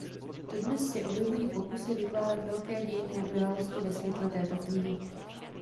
Dodnes se objevují pokusy vykládat velké dějinné události ve světle této knihy.